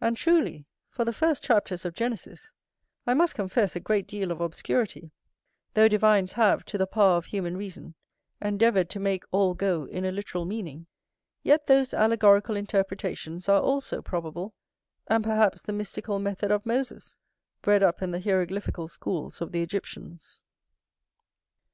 And truly, for the first chapters of Genesis, I must confess a great deal of obscurity; though divines have, to the power of human reason, endeavoured to make all go in a literal meaning, yet those allegorical interpretations are also probable, and perhaps the mystical method of Moses, bred up in the hieroglyphical schools of the Egyptians.